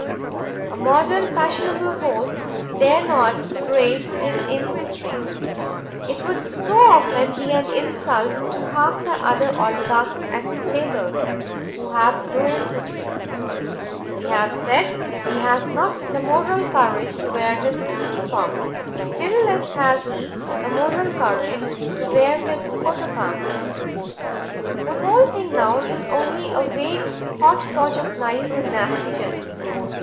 A modern fashionable host dare not praise his ancestry; it would so often be an insult to half the other oligarchs at table, who have no ancestry. We have said he has not the moral courage to wear his uniform; still less has he the moral courage to wear his coat of arms. The whole thing now is only a vague hotch potch of nice and nasty gentlemen.